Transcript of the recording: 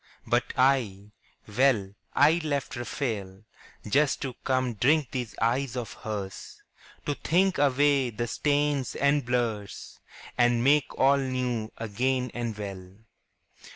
But I, well, I left Raphael Just to come drink these eyes of hers, To think away the stains and blurs And make all new again and well.